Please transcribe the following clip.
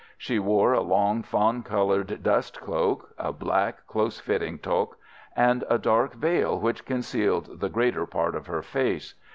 She wore a long, fawn coloured dust cloak, a black, close fitting toque, and a dark veil which concealed the greater part of her face.